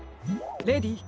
レディー。